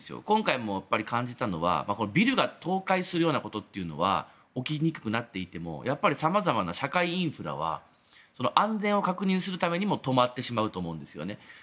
今回も感じたのは、ビルが倒壊するようなことっていうのは起きにくくなっていてもやっぱり様々な社会インフラは安全を確認するためにも止まってしまうと思うんですよね。